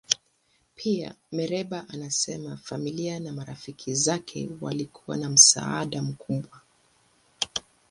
Pia, Mereba anasema familia na marafiki zake walikuwa na msaada mkubwa.